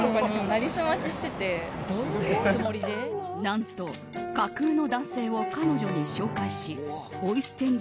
何と、架空の男性を彼女に紹介しボイスチェン